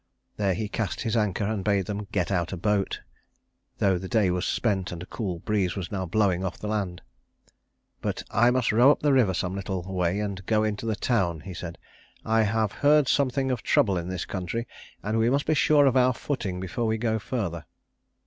There he cast his anchor, and bade them get out a boat, though the day was spent and a cool breeze was now blowing off the land. But "I must row up the river some little way and go into the town," he said. "I have heard something of trouble in this country, and we must be sure of our footing before we go further."